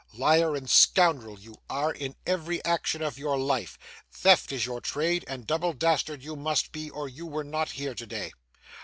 Liar and scoundrel you are, in every action of your life; theft is your trade; and double dastard you must be, or you were not here today.